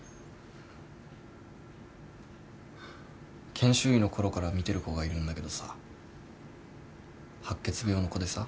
研修医の頃から診てる子がいるんだけどさ白血病の子でさ。